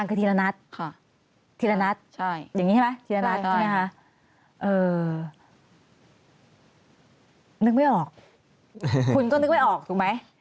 คุณก็นึกไม่ออกถูกไหม